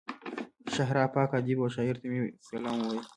شهره آفاق ادیب او شاعر ته مې سلام ووايه.